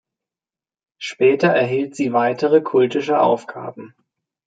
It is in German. Später erhielten sie weitere kultische Aufgaben.